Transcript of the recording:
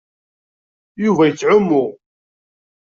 Yuba yettɛummu.